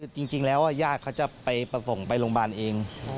จริงแล้วญาติเขาจะไปส่งไปโรงพยาบาลเอง